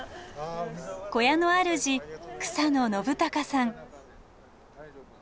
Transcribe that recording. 小屋のあるじ草野延孝さん。